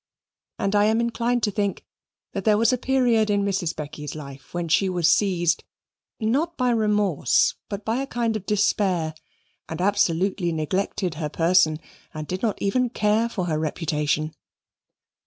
And I am inclined to think that there was a period in Mrs Becky's life when she was seized, not by remorse, but by a kind of despair, and absolutely neglected her person and did not even care for her reputation.